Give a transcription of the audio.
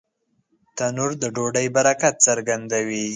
تنور د ډوډۍ برکت څرګندوي